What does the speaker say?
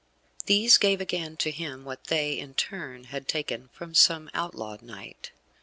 These gave again to him what they, in turn, had taken from some outlawed knight.